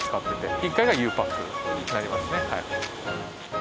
１階がゆうパックになりますね。